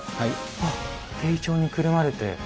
あっ丁重にくるまれて。